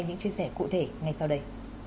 những chia sẻ cụ thể ngay sau đây